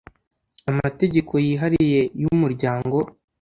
amategeko yihariye yu muryango